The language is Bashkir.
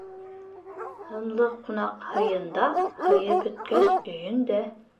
Һынлы ҡунаҡ һыйында, Һыйы бөткәс, өйөндә.